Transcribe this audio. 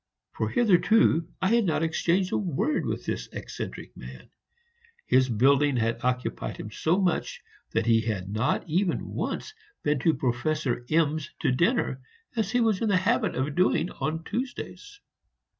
For hitherto I had not exchanged a word with this eccentric man; his building had occupied him so much that he had not even once been to Professor M 's to dinner, as he was in the habit of doing on Tuesdays.